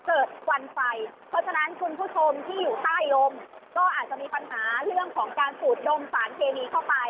ควันไฟเพราะฉะนั้นคุณผู้ชมที่อยู่ใต้ลมก็อาจจะมีปัญหาเรื่องของการสูดดมสารเคมีเข้าไป